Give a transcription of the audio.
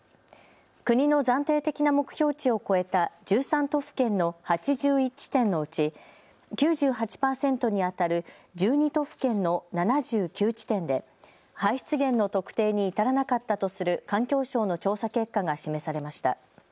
国の暫定的な目標値を超えた１３都府県の８１地点のうち９８％にあたる１２都府県の７９地点で排出源の特定に至らなかったとする環境省の調査結果が示されました。